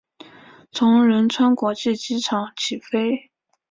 从仁川国际机场起飞。